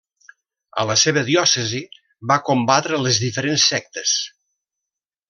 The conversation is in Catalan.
A la seva diòcesi va combatre les diferents sectes.